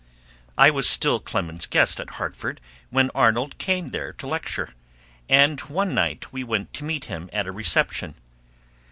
I was still Clemens's guest at Hartford when Arnold came there to lecture, and one night we went to meet him at a reception.